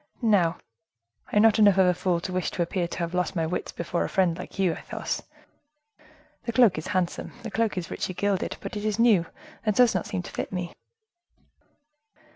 Now, I am not enough of a fool to wish to appear to have lost my wits before a friend like you, Athos. The cloak is handsome, the cloak is richly gilded, but it is new, and does not seem to fit me."